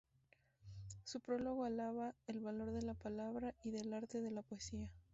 Su prólogo alaba el valor de la palabra y del arte de la poesía.